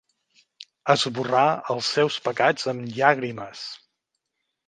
Esborrar els seus pecats amb llàgrimes.